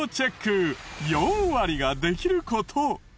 ４割ができる事。